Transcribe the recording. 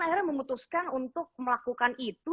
akhirnya memutuskan untuk melakukan itu